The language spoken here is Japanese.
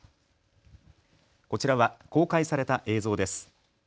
こちらは公開された映像です。